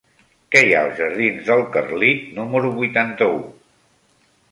Què hi ha als jardins del Carlit número vuitanta-u?